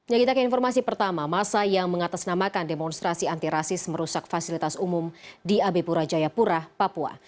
yang kita ke informasi pertama masa yang mengatasnamakan demonstrasi antirasis merusak fasilitas umum di abe pura jayapura papua